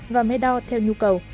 và mới đo theo nhu cầu